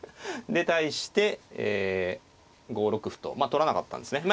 で対して５六歩と取らなかったんですね。